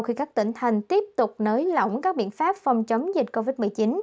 khi các tỉnh thành tiếp tục nới lỏng các biện pháp phong chấm dịch covid một mươi chín